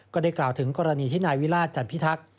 ก็ได้กล่าวถึงกรณีที่นายวิราชจันพิทักษ์